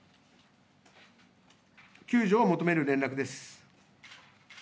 救助を求める連絡です。